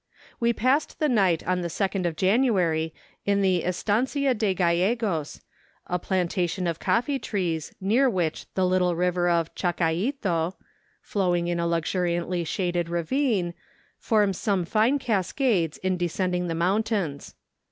We passed the night of the 2nd of January in the Estancia de Gallegos, a plantation of coffee trees, near which the little river of Chacaito, flowing in a luxuriantly shaded ravine, forms some fine cascades in descending the mountains.